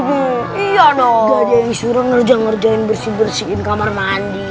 gak ada yang disuruh ngerjain ngerjain bersihin bersihin kamar mandi